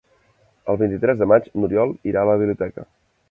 El vint-i-tres de maig n'Oriol irà a la biblioteca.